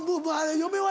嫁は？